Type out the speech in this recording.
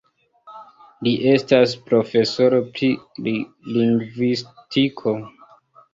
Li estas profesoro pri lingvistiko.